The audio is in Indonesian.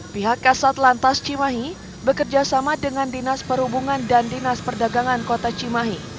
pihak kasat lantas cimahi bekerjasama dengan dinas perhubungan dan dinas perdagangan kota cimahi